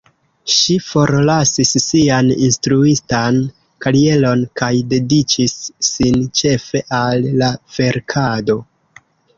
Ŝi forlasis sian instruistan karieron kaj dediĉis sin ĉefe al la verkado.